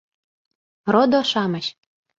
Родо-шамыч!